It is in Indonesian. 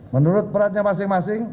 menurut peratnya masing masing